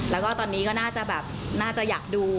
แล้วก็ตอนนี้ก็น่าจะอยากดู